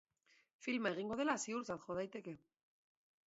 Filma egingo dela ziurtzat jo daiteke.